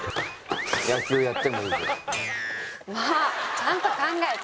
ちゃんと考えて。